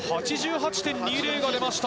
８８．２０が出ました。